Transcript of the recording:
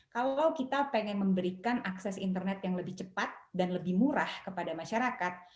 kalau kita ingin memberikan akses internet yang lebih cepat dan lebih murah kepada masyarakat